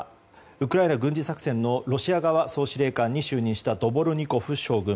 ウクライナ軍事作戦のロシア側総司令官に就任したドボルニコフ将軍。